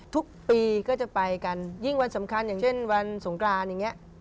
ทุกปีก็จะไปกันยิ่งวันสำคัญอย่างเช่นวันสงกรานอย่างนี้